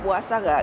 puasa gak puasa gak